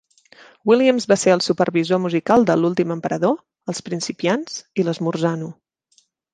Williams va ser el supervisor musical de L'últim emperador, Els principiants i L'esmorzar nu.